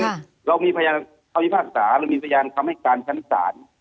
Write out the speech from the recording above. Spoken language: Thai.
เพราะฉะนั้นเรามีพรรษศาเรามีพรรษคำให้การชั้นสาร